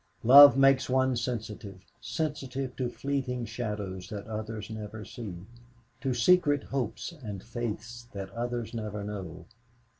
Love makes one sensitive sensitive to fleeting shadows that others never see, to secret hopes and faiths that others never know.